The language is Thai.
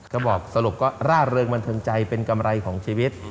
ก็บอกสรุปก็ร่าเริงบันเทิงใจเป็นกำไรของชีวิต